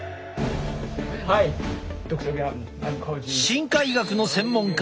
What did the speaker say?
進化医学の専門家